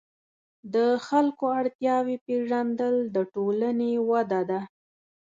د خلکو اړتیاوې پېژندل د ټولنې وده ده.